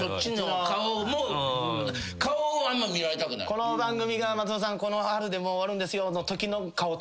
「この番組が松本さんこの春でもう終わるんですよ」のときの顔。